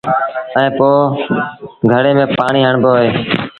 ائيٚݩ پو گھڙي ميݩ پآڻيٚ هڻبو اهي۔